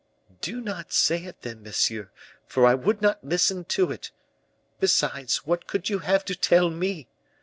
"Do not say it, then, monsieur; for I would not listen to it. Besides, what could you have to tell me?